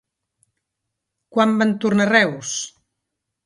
Quan van tornar a Reus?